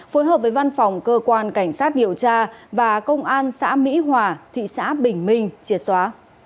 phối hợp với văn phòng cơ quan cảnh sát điều tra và công an xã mỹ hòa thị xã bình minh triệt xóa